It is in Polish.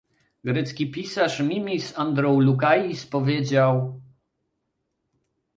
Grecki pisarz, Mimis Androulakis powiedział